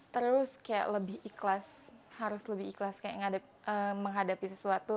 terus lebih ikhlas harus lebih ikhlas menghadapi sesuatu